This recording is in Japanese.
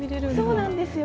そうなんですよ。